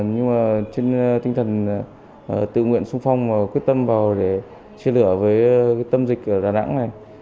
nhưng mà trên tinh thần tự nguyện sung phong và quyết tâm vào để chia lửa với tâm dịch ở đà nẵng này